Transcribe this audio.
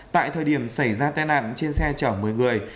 tại thời điểm xảy ra tai nạn trên xe chở một mươi người